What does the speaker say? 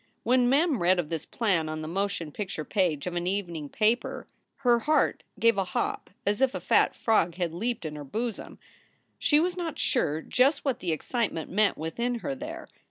When Mem read of this plan on the motion picture page of an evening paper her heart gave a hop, as if a fat frog had leaped in her bosom. She was not sure just what the excitement meant within her there.